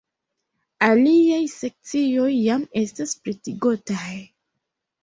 Aliaj sekcioj jam estas pretigotaj.